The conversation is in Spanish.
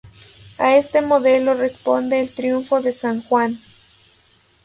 A este modelo responde el Triunfo de San Juan.